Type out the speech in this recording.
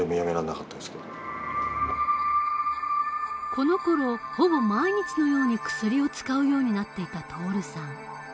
このころほぼ毎日のように薬を使うようになっていた徹さん。